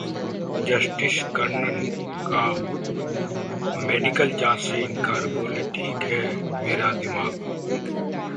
justice Karnan का medical जांच से इनकार, बोले- ठीक है मेरा दिमाग